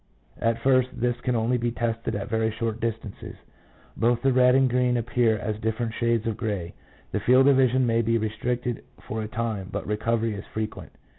4 At first this can only be tested at very short distances; both the red and green appear as different shades of grey. The field of vision may be restricted for a time, but recovery is frequent.